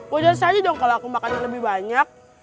wajar saja dong kalau aku makannya lebih banyak